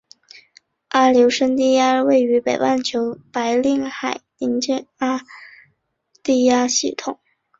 阿留申低压是位于北半球白令海邻近阿留申群岛在冬季所产生的半永久性低压系统。